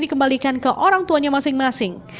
dikembalikan ke orang tuanya masing masing